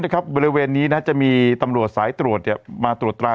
นะครับบริเวณนี้นะจะมีตำรวดสายตรวจเนี่ยมาตรวจตรา